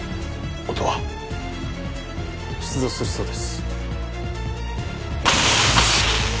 音羽出動するそうです